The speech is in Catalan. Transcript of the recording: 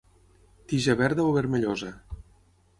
Tija verda o vermellosa.